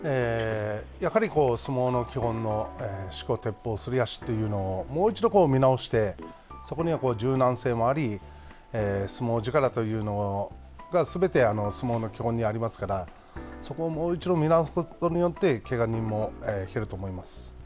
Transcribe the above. やはり相撲の基本のしこ、てっぽうのすり足というのをもう一度見直して、そこには柔軟性もあり、相撲力というのがすべて相撲の基本にありますから、そこをもう一度見直すことによって、けが人もいけると思います。